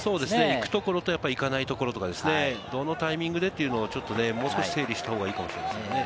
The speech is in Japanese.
行くところと行かないところ、どのタイミングでというのを、もう少し整理した方がいいと思いますね。